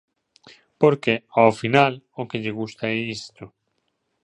Porque, ao final, o que lle gusta é isto.